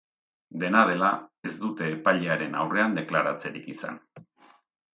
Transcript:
Dena dela, ez dute epailearen aurrean deklaratzerik izan.